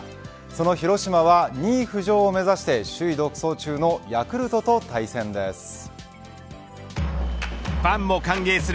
その広島は２位浮上を目指して首位独走中のヤクルトと対戦です。